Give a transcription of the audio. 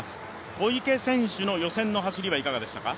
小池選手の予選の走りはいかがでしたか。